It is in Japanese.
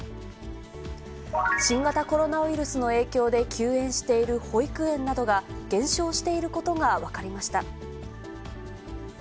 新型コロナウイルスの影響で休園している保育園などが、減少していることが分かりました。